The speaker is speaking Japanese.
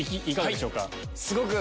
いかがでしょうか？